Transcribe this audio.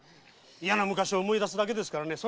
嫌な昔を思い出すだけですから。